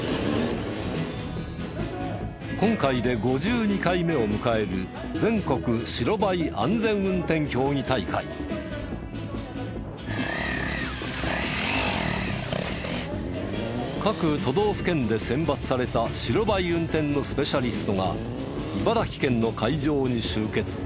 今回で５２回目を迎える各都道府県で選抜された白バイ運転のスペシャリストが茨城県の会場に集結。